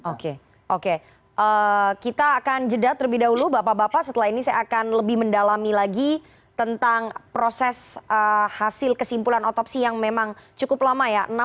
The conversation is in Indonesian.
oke oke kita akan jeda terlebih dahulu bapak bapak setelah ini saya akan lebih mendalami lagi tentang proses hasil kesimpulan otopsi yang memang cukup lama ya